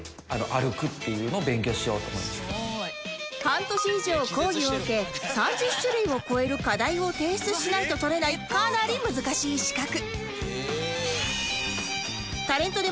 半年以上講義を受け３０種類を超える課題を提出しないと取れないかなり難しい資格